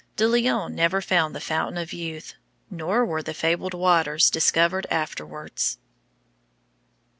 De Leon never found the Fountain of Youth, nor were the fabled waters discovered afterwards.